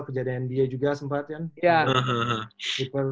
kejadian nba juga sempat ya